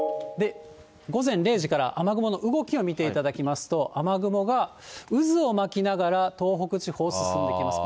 午前０時から雨雲の動きを見ていただきますと、雨雲が渦を巻きながら、東北地方を進んできます。